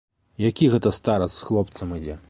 Які гэта старац з хлопцам ідзе?